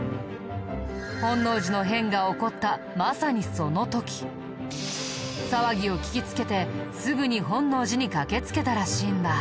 本能寺の変が起こったまさにその時騒ぎを聞きつけてすぐに本能寺に駆けつけたらしいんだ。